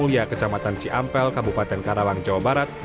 mulia kecamatan ciampel kabupaten karawang jawa barat